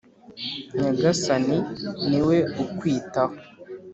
nyagasani niwe ukwitaho